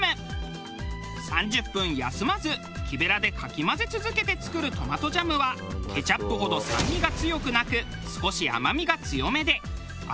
３０分休まず木ベラでかき混ぜ続けて作るトマトジャムはケチャップほど酸味が強くなく。